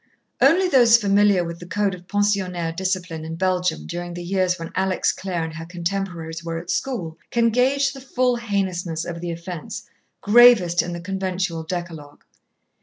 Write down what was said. Only those familiar with the code of pensionnaire discipline in Belgium during the years when Alex Clare and her contemporaries were at school, can gauge the full heinousness of the offence, gravest in the conventual decalogue.